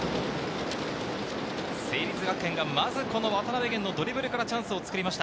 成立学園がまず、この渡辺弦のドリブルからチャンスを作りました。